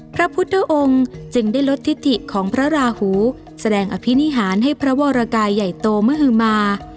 พระพุทธองค์จึงได้ลดทิศถิของพระราหูแสดงอภินิหารให้พระวรกายใหญ่โตมหือมา